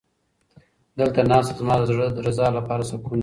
دلته ناسته زما د زړه د درزا لپاره سکون دی.